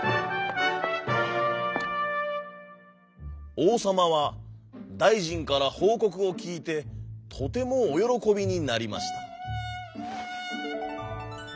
おうさまはだいじんからほうこくをきいてとてもおよろこびになりました。